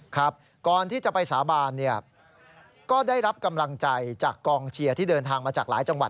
ครับก่อนที่จะไปสาบานเนี่ยก็ได้รับกำลังใจจากกองเชียร์ที่เดินทางมาจากหลายจังหวัด